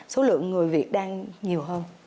số lượng người việt đang nhiều hơn